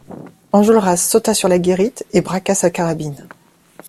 Enjolras sauta sur la guérite et braqua sa carabine.